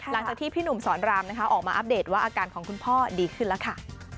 หลังจากที่พี่หนุ่มสอนรามนะคะออกมาอัปเดตว่าอาการของคุณพ่อดีขึ้นแล้วค่ะ